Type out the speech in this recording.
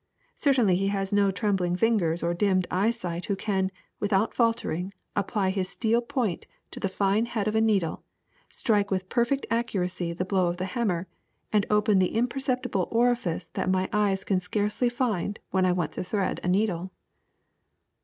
Certainly he has no trembling fingers or dimmed eyesight who can, without faltering, apply his steel point to the fine head of a needle, strike with perfect accuracy the blow of the hammer, and open the imperceptible orifice that my eyes can scarcely find when I want to thread a needle.